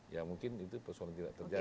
ya mungkin itu persoalan tidak terjadi